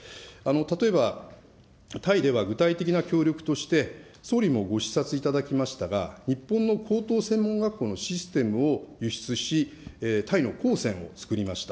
例えばタイでは具体的な協力として、総理もご視察いただきましたが、日本の高等専門学校のシステムを輸出し、タイのこうせんを作りました。